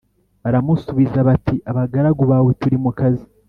Baramusubiza bati Abagaragu bawe turi mu kazi